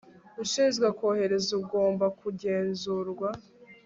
ushinzwe kohereza ugomba kugenzurwa